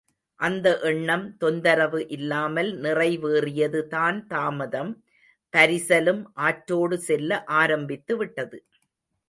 அந்த எண்ணம் தொந்தரவு இல்லாமல் நிறைவேறியது தான் தாமதம், பரிசலும் ஆற்றோடு செல்ல ஆரம்பித்துவிட்டது.